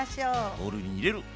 ボウルに入れる。